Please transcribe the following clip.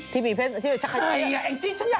ที่เป็นชะเขยะ